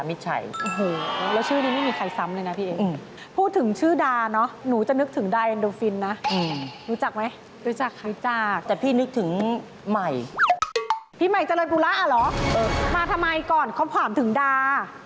มาทำไมก่อนเขาถามถึงดา